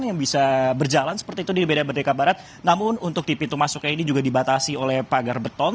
yang bisa berjalan seperti itu di beda merdeka barat namun untuk di pintu masuknya ini juga dibatasi oleh pagar beton